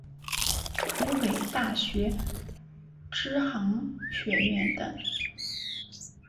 湖北大学知行学院等